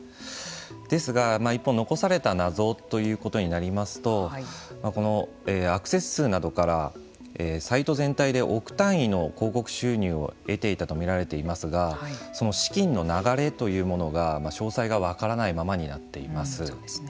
ですが、一方残された謎ということになりますとアクセス数などからサイト全体で億単位の広告収入を得ていたと見られていますがその資金の流れというものが詳細が分からないままになっています。